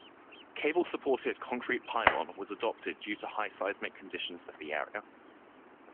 Cable supported concrete pylon was adopted due to high seismic conditions of the area.